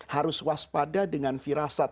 harus waspada dengan firasat